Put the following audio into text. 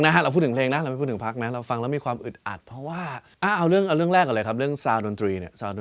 หมดความหวังรวงแต่จุกจนระจาย